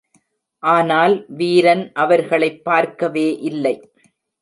ஆனால், வீரன் அவர்களைப் பார்க்கவே இல்லை.